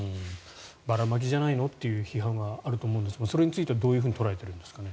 ばらまきじゃないのという批判はあると思うんですがそれについてはどう捉えているんですかね。